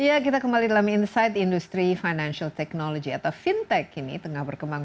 ya kita kembali dalam insight industri financial technology atau fintech ini tengah berkembang